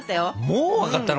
もう分かったの？